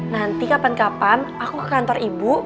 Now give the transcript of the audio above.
nanti kapan kapan aku ke kantor ibu